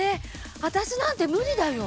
わたしなんて無理だよ。